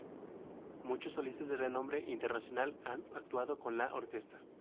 Muchos solistas de renombre internacional han actuado con la orquesta.